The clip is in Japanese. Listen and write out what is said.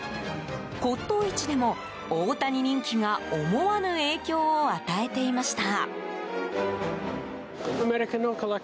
骨董市でも、大谷人気が思わぬ影響を与えていました。